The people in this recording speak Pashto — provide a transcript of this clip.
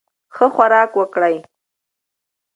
ښه خوراک وکړئ.